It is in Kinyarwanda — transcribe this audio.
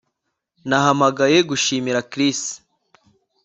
Nahamagaye gushimira Chris